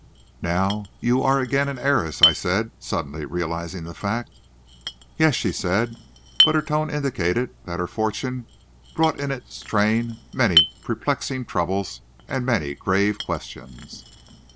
"Now you are again an heiress," I said, suddenly realizing the fact. "Yes," she said, but her tone indicated that her fortune brought in its train many perplexing troubles and many grave questions.